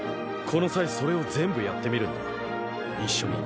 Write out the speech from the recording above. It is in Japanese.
この際それを全部やってみるんだ一緒に。